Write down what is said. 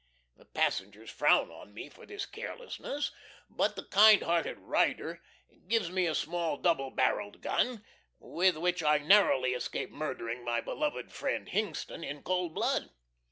The passengers frown on me for this carelessness, but the kind hearted Ryder gives me a small double barrelled gun, with which I narrowly escape murdering my beloved friend Hingston in cold blood.